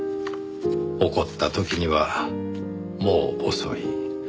起こった時にはもう遅い。